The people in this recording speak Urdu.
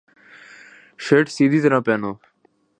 شرٹ سیدھی طرح پہنو